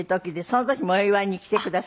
その時もお祝いに来てくださいました。